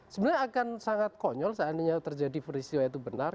sebenarnya akan sangat konyol seandainya terjadi peristiwa itu benar